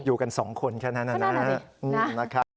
อยู่กัน๒คนแค่นั้นนะครับ